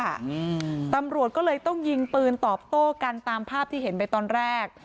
อืมตำรวจก็เลยต้องยิงปืนตอบโต้กันตามภาพที่เห็นไปตอนแรก